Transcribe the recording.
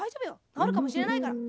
なおるかもしれないから。